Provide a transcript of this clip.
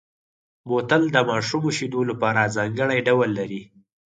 بوتل د ماشومو شیدو لپاره ځانګړی ډول لري.